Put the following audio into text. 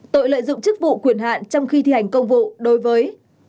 tội lợi dụng chức vụ quyền hạn trong khi thi hành công vụ đối với